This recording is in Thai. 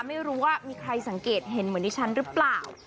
ไม่รู้ว่ามีใครสังเกตเห็นเหมือนดิฉันหรือเปล่า